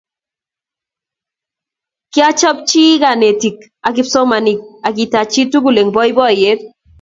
Kiapchechi kanetik ak kipsomaninik akitach chitukul eng boiboyet